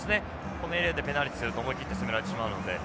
このエリアでペナルティすると思い切って攻められてしまうので。